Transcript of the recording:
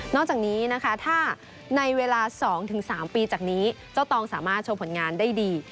จากนี้นะคะถ้าในเวลา๒๓ปีจากนี้เจ้าตองสามารถโชว์ผลงานได้ดี